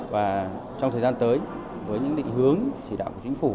và trong thời gian tới với những định hướng chỉ đạo của chính phủ